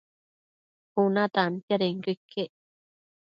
Cuna tantiadenquio iquec